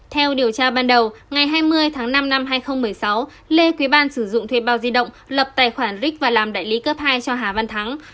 theo điều tra ban đầu ngày hai mươi tháng năm năm hai nghìn một mươi sáu lê quý ban sử dụng thuê bao di động lập tài khoản ric và làm đại lý cấp hai cho hà văn thắng